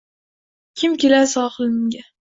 Kim kelar sohilimga.